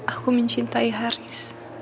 aku mencintai haris